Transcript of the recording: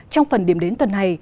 trong phần điểm đến tuần này